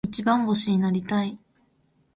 一番星になりたい。